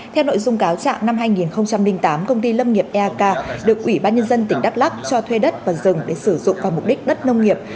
theo nội dung cáo trạng năm hai nghìn tám công ty lâm nghiệp eak được ủy ban nhân dân tỉnh đắk lắc cho thuê đất và rừng để sử dụng vào mục đích đất nông nghiệp